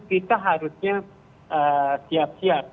kita harusnya siap siap